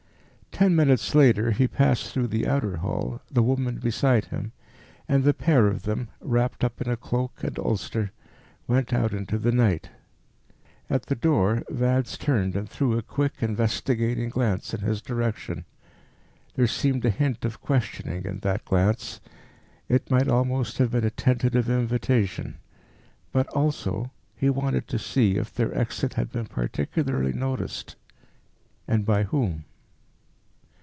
Ten minutes later he passed through the outer hall, the woman beside him, and the pair of them, wrapped up in cloak and ulster, went out into the night. At the door, Vance turned and threw a quick, investigating glance in his direction. There seemed a hint of questioning in that glance; it might almost have been a tentative invitation. But, also, he wanted to see if their exit had been particularly noticed and by whom.